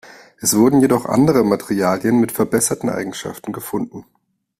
Es wurden jedoch andere Materialien mit verbesserten Eigenschaften gefunden.